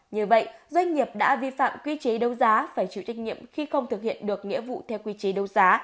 như vậy doanh nghiệp đã vi phạm quy chế đấu giá phải chịu trách nhiệm khi không thực hiện được nghĩa vụ theo quy chế đấu giá